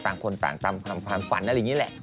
ต่างคนต่างตามความฝันอะไรอย่างนี้แหละ